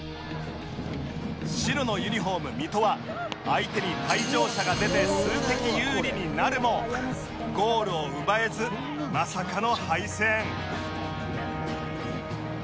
白のユニホーム水戸は相手に退場者が出て数的有利になるもゴールを奪えずまさかの敗戦